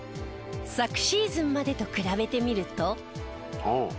昨シーズンまでと比べてみると。